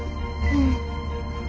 うん。